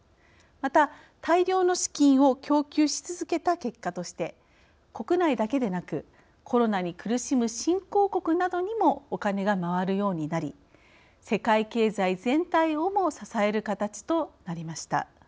また大量の資金を供給し続けた結果として国内だけでなくコロナに苦しむ新興国などにもおカネが回るようになり世界経済全体をも支える形となりました。